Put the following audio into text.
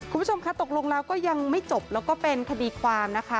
คุณผู้ชมคะตกลงแล้วก็ยังไม่จบแล้วก็เป็นคดีความนะคะ